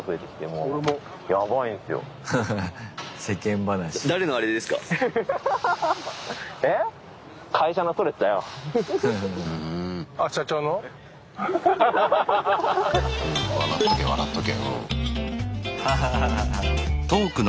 うん笑っとけ笑っとけ。